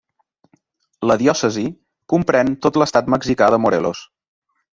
La diòcesi comprèn tot l'estat mexicà de Morelos.